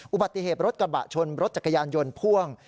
อุบัติเหตุรถกระบะชนรถจักรยานยนต์พ่วง